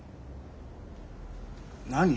何？